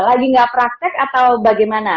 lagi nggak praktek atau bagaimana